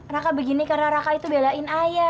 raka begini karena raka itu belain ayah